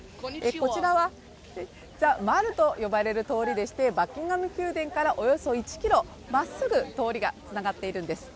こちらはザ・マルと呼ばれるとおりでして、バッキンガム宮殿からおよそ１ｋｍ、まっすぐ通りがつながっているんです。